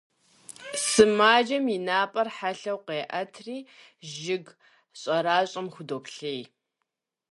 Сымаджэм и напӏэр хьэлъэу къеӏэтри, жыг щӏэращӏэм худоплъей.